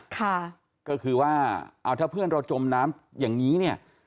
ค่ะก็คือว่าเอาถ้าเพื่อนเราจมน้ำอย่างนี้เนี่ย